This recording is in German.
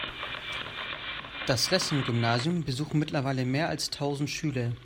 Das Lessing-Gymnasium besuchen mittlerweile mehr als tausend Schüler.